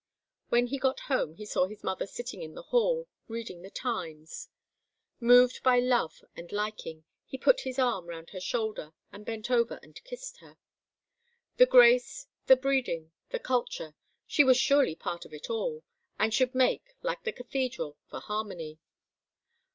When he got home he saw his mother sitting in the hall, reading the Times. Moved by love and liking, he put his arm round her shoulders and bent over her and kissed her. The grace, the breeding, the culture she was surely part of it all, and should make, like the Cathedral, for harmony.